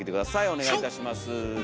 お願いいたします。